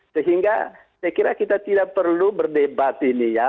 sehingga saya kira kita tidak perlu berdebat ini ya